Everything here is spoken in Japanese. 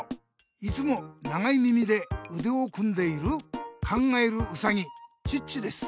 いつも長い耳でうでを組んでいる考えるウサギチッチです。